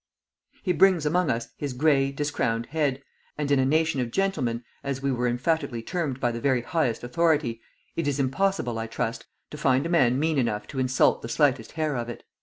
"He brings among us his 'gray, discrownèd head,' and in a 'nation of gentlemen,' as we were emphatically termed by the very highest authority, it is impossible, I trust, to find a man mean enough to insult the slightest hair of it."